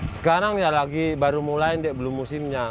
sekarang ya lagi baru mulai belum musimnya